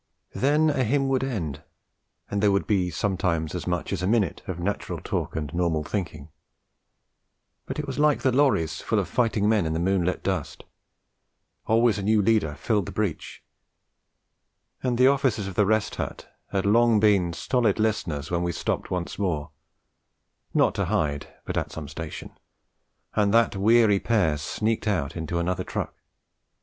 Then a hymn would end, and there would be sometimes as much as a minute of natural talk and normal thinking. But it was like the lorries full of fighting men in the moonlit dust; always a new leader filled the breach; and the officers of the Rest Hut had long been stolid listeners when we stopped once more, not to hide, but at some station, and that weary pair sneaked out into another truck.